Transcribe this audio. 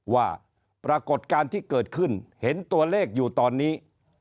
ว่าปรากฏการณ์ที่เกิดขึ้นเห็นตัวเลขอยู่ตอนนี้